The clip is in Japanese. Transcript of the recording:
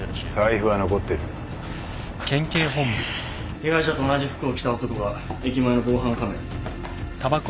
被害者と同じ服を着た男が駅前の防犯カメラに。